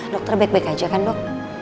dokter baik baik aja kan dok